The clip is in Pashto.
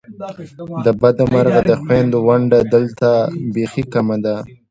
د بده مرغه د خوېندو ونډه دلته بیخې کمه ده !